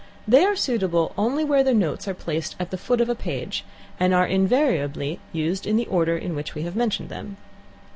They are suitable only where the notes are placed at the foot of a page, and are invariably used in the order in which we have mentioned them.